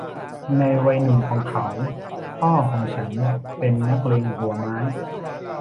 ในวัยหนุ่มของเขาพ่อของฉันเป็นนักเลงหัวไม้